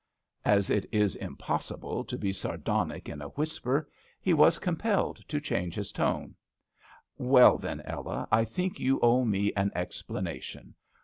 As it is impossible to be sar donic in a whisper he was com pelled to change his tone. " Well then, Ella, I think you owe me an explanation.